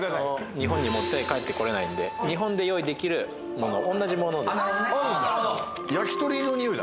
日本に持って帰ってこれないんで日本で用意できるもの同じものですあるんだ